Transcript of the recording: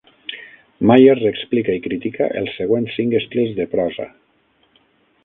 Myers explica i critica els següents cinc estils de prosa.